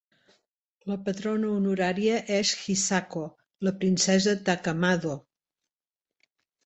La patrona honorària és Hisako, la Princesa Takamado.